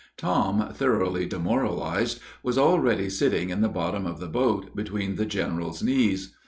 Tom, thoroughly demoralized, was already sitting in the bottom of the boat, between the general's knees.